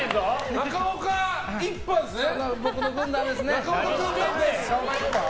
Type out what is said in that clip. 中岡一派ですね。